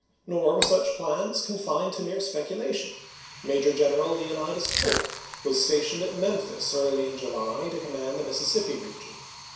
Nor were such plans confined to mere speculation. Major General Leon idas Polk was stationed at Memphis early in July to command the Mississippi region.